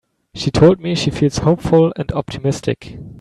She told me she feels hopeful and optimistic.